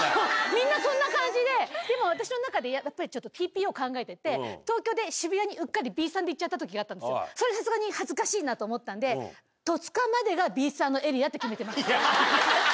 みんなそんな感じで、でも私の中でやっぱりちょっとＴＰＯ考えてて、東京で渋谷にうっかりビーサンで行っちゃったときがあったんですけど、それさすがに恥ずかしいなと思ったので、戸塚までがビーサンのエリアって決めてます。